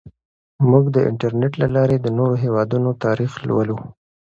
موږ د انټرنیټ له لارې د نورو هیوادونو تاریخ لولو.